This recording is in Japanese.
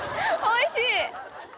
おいしい！